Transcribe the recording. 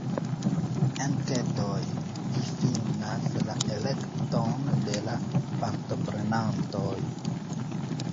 Enketoj difinas la elekton de la partoprenantoj.